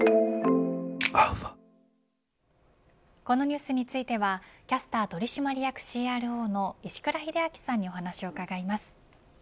このニュースについてはキャスター取締役ＣＲＯの石倉秀明さんにお話を伺います。